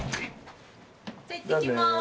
じゃいってきます。